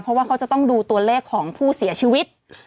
เพราะว่าเขาจะต้องดูตัวเลขของผู้เสียชีวิต